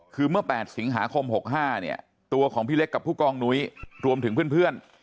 คือเมื่อ๘สิงหาคม๖๕เนี่ยตัวของพี่เล็กกับผู้กองนุ้ยรวมถึงเพื่อน